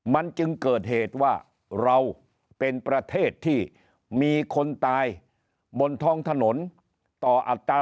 มันจึงเกิดเหตุว่าเราเป็นประเทศที่มีคนตายบนท้องถนนต่ออัตรา